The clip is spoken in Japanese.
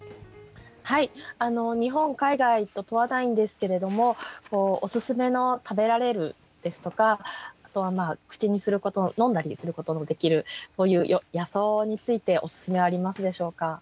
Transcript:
はい日本海外と問わないんですけれどもオススメの食べられるですとか口にすること飲んだりすることのできるそういう野草についてオススメありますでしょうか？